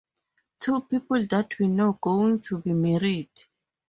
Two people that we know going to be married.